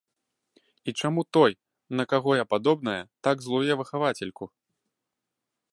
І чаму той, на каго я падобная, так злуе выхавацельку?